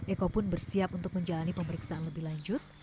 eko pun bersiap untuk menjalani pemeriksaan lebih lanjut